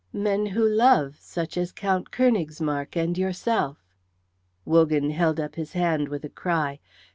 "Men who love, such as Count Königsmarck and yourself." Wogan held up his hand with a cry.